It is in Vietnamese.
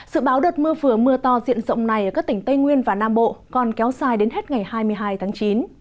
sự báo đợt mưa vừa mưa to diện rộng này ở các tỉnh tây nguyên và nam bộ còn kéo dài đến hết ngày hai mươi hai tháng chín